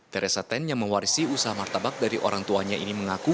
theresa ten yang mewarisi usaha martabak dari orang tuanya ini mengaku